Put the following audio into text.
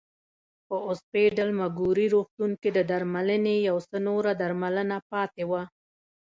په اوسپیډل مګوري روغتون کې د درملنې یو څه نوره درملنه پاتې وه.